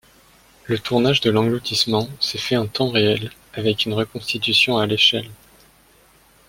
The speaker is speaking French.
Le tournage de l'engloutissement s'est fait en temps réel, dans une reconstitution à l'échelle.